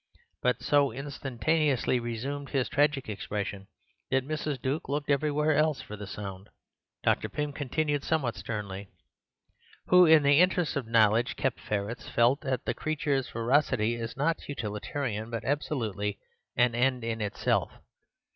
but so instantaneously resumed his tragic expression that Mrs. Duke looked everywhere else for the sound); Dr. Pym continued somewhat sternly—"who, in the interests of knowledge, kept ferrets, felt that the creature's ferocity is not utilitarian, but absolutely an end in itself.